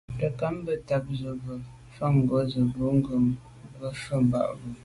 Te'nkam bə́ á tà' ndàp zə̄ bú nǔm fá ŋgǒngǒ zə̄ bū cûm lɑ̂' mvə̀ Ba'Bu.